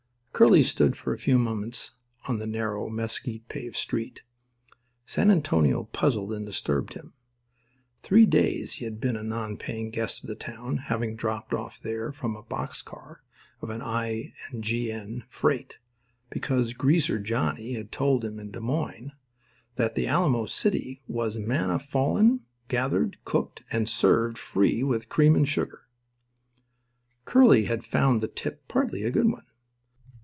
Curly stood for a few moments in the narrow, mesquite paved street. San Antonio puzzled and disturbed him. Three days he had been a non paying guest of the town, having dropped off there from a box car of an I. & G.N. freight, because Greaser Johnny had told him in Des Moines that the Alamo City was manna fallen, gathered, cooked, and served free with cream and sugar. Curly had found the tip partly a good one.